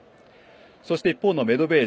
そして一方のメドべー